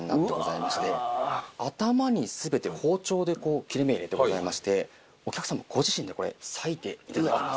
頭に全て包丁で切り目を入れてございましてお客様ご自身でこれ割いていただきます